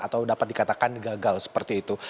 atau dapat dikatakan gagal seperti itu